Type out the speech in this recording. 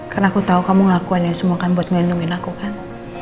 karena aku tahu kamu ngelakuinnya semua kan buat ngelindungin aku kan